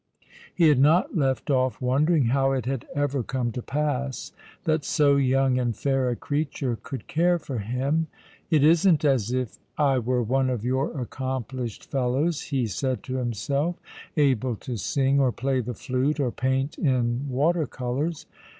He had not left off wondering how it had ever come to pass that so young and fair a creature could care for him. " It isn't as if I were one of your accomplished fellows," he said to himself, " able to sing, or play the flute, or paint in water colours.